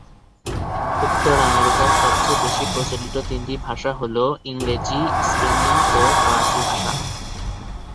উত্তর আমেরিকার সবচেয়ে বেশি প্রচলিত তিনটি ভাষা হল ইংরেজি, স্পেনীয় ও ফরাসি ভাষা।